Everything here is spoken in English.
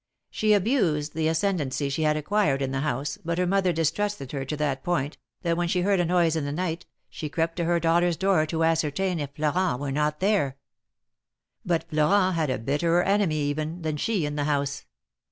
She abused the ascendency she had acquired in the house, but her mother distrusted her to that point, that when she heard a noise in the night, she crept to her daughter's door to ascertain if Florent were not there. But Florent had a bitterer enemy even, than she in the house.